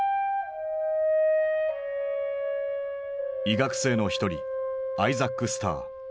医学生の一人アイザック・スター。